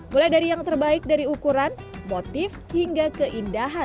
mulai dari yang terbaik dari ukuran motif hingga keindahan